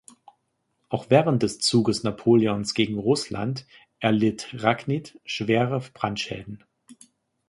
Auch während des Zuges Napoleons gegen Russland erlitt Ragnit schwere Brandschäden.